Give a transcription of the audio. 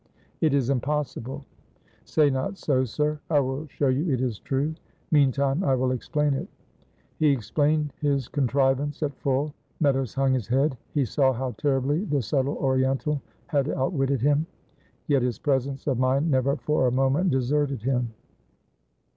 "It is impossible." "Say not so, sir. I will show you it is true. Meantime I will explain it." He explained his contrivance at full. Meadows hung his head; he saw how terribly the subtle Oriental had outwitted him; yet his presence of mind never for a moment deserted him.